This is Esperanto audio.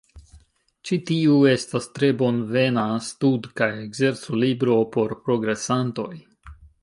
Ĉi tiu estas tre bonvena stud- kaj ekzerco-libro por progresantoj.